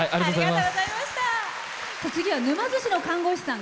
次は沼津市の看護師さん。